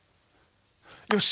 よし！